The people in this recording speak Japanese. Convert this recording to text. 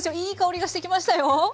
いい香りがしてきましたよ。